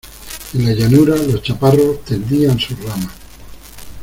en la llanura los chaparros tendían sus ramas